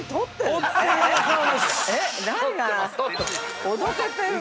おどけてる。